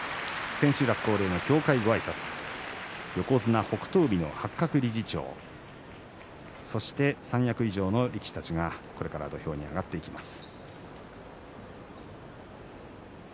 千秋楽恒例の協会ごあいさつ横綱北勝海の八角理事長三役以上の力士たちがこれから土俵に上がっていきます。